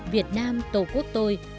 việt nam tổ quốc tôi